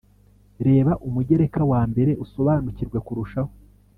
Reba Umugereka wambere usobanukirwe kurushaho